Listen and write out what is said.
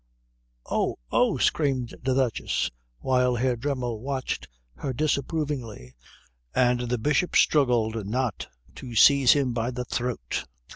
"Oh, oh!" screamed the Duchess, while Herr Dremmel watched her disapprovingly and the Bishop struggled not to seize him by the throat.